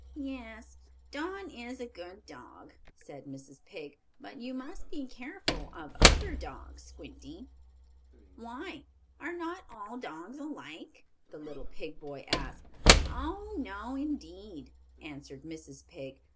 "Yes, Don is a good dog," said Mrs. Pig. "But you must be careful of other dogs, Squinty." "Why, are not all dogs alike?" the little pig boy asked. "Oh, no, indeed!" answered Mrs. Pig.